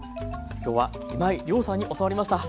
今日は今井亮さんに教わりました。